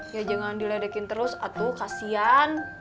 ya jangan diledekin terus atau kasian